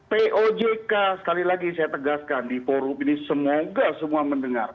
pojk sekali lagi saya tegaskan di forum ini semoga semua mendengar